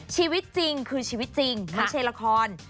ชีวิตจริงคือชีวิตจริงไม่ใช่ละคร